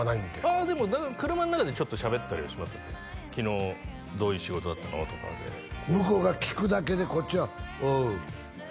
ああでも車の中でちょっとしゃべったりはしますね「昨日どういう仕事だったの？」とかで向こうが聞くだけでこっちは「おう」